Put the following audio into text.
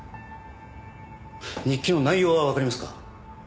日記の内容はわかりますか？